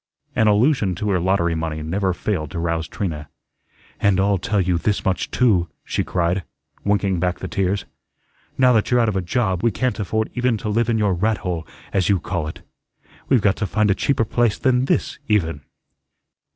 An allusion to her lottery money never failed to rouse Trina. "And I'll tell you this much too," she cried, winking back the tears. "Now that you're out of a job, we can't afford even to live in your rat hole, as you call it. We've got to find a cheaper place than THIS even."